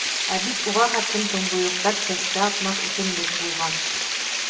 Ә бит уға хәтлем томбойоҡтар сәскә атмаҫ үҫемлек булған.